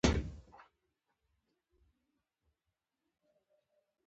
چی خپل سپی په پردی ننگه، افغانانوته غپیږی